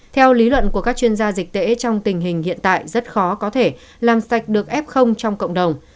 theo lý luận của các chuyên gia dịch tễ trong tình hình hiện tại rất khó có thể làm sạch được f trong cộng đồng